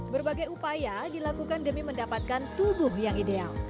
berbagai upaya dilakukan demi mendapatkan tubuh yang ideal